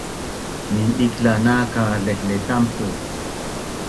Mindikla’ nak ka laihletampu